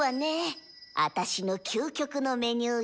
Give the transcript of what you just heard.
アタシの「究極のメニュー」